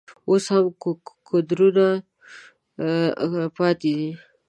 اوس هم ګودرونه پاتې دي.